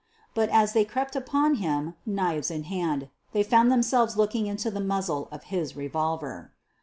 But, as they crept upon him, knives in hand, they found themselves looking into the muzzle of his revolver.